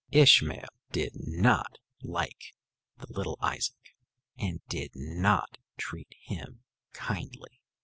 Ishmael did not like the little Isaac, and did not treat him kindly.